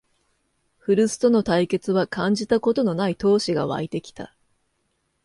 古巣との対決は感じたことのない闘志がわいてきた